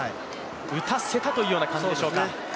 打たせたというような感じでしょうか。